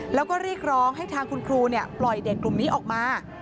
แล้วก็เรียกร้องให้ทางคุณครูปล่อยเด็กกลุ่มนี้ออกมา